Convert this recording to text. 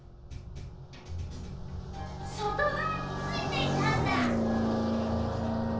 外がわについていたんだ！